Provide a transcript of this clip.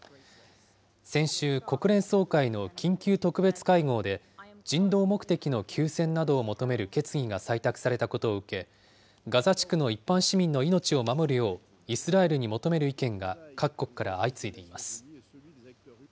先週、国連総会の緊急特別会合で、人道目的の休戦などを求める決議が採択されたことを受け、ガザ地区の一般市民の命を守るよう、イスラエルに求める意見が各国から相次いでいます。